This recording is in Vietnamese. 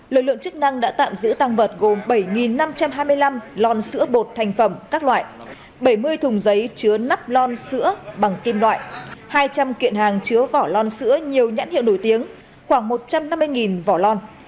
lực lượng chức năng đã tạm giữ tăng vật gồm bảy năm trăm hai mươi năm lon sữa bột thành phẩm các loại bảy mươi thùng giấy chứa nắp lon sữa bằng kim loại hai trăm linh kiện hàng chứa vỏ lon sữa nhiều nhãn hiệu nổi tiếng khoảng một trăm năm mươi vỏ lon